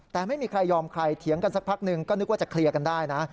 แต่ไม่มีใครยอมใครเถียงกันสักพักหนึ่งก็นึกว่าจะเคลียร์กันได้นะ